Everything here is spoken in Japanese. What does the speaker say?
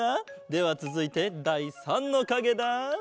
ではつづいてだい３のかげだ。